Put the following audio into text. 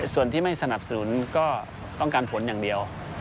ส่วนที่ไม่สนับสนุนก็ต้องการผลอย่างเดียว